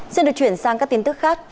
xin được chuyển sang các tin tức khác